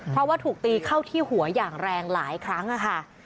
เพราะว่าถูกตีเข้าที่หัวอย่างแรงหลายครั้งค่ะ